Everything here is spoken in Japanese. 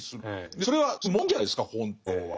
それはそういうもんじゃないですか本当は。